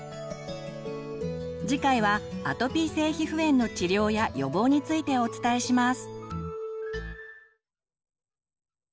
次回はアトピー性皮膚炎の治療や予防についてお伝えします。